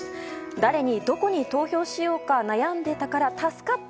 誰にどこに投票しようか悩んでいたから助かった。